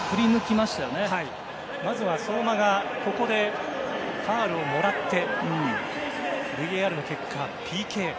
まずは相馬がここでファウルをもらってＶＡＲの結果、ＰＫ。